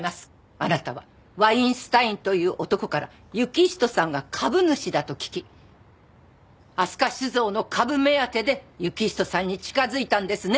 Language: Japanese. あなたはワインスタインという男から行人さんが株主だと聞き飛鳥酒造の株目当てで行人さんに近づいたんですね！？